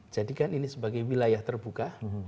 jadikan ini sebagai wilayah terbuka